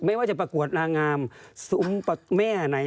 ไม่ว่าจะประกวดนางงามซุ้มแม่ไหน